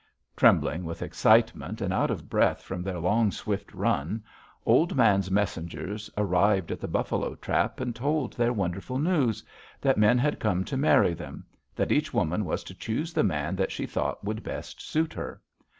"Trembling with excitement, and out of breath from their long, swift run, Old Man's messengers arrived at the buffalo trap and told their wonderful news, that men had come to marry them; that each woman was to choose the man that she thought would best suit her.